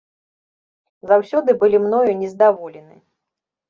Заўсёды былі мною нездаволены.